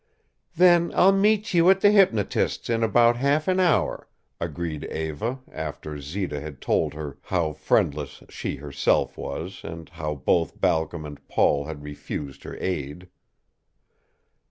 "Then I'll meet you at the hypnotist's in about half an hour," agreed Eva, after Zita had told her how friendless she herself was and how both Balcom and Paul had refused her aid.